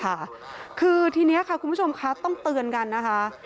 ค่ะคือทีนี้ค่ะคุณผู้ชมคะต้องเตือนกันนะคะ